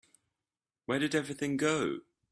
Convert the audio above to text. Where did everything go?